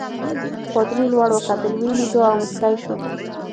پادري لوړ وکتل ویې لیدو او مسکی شو.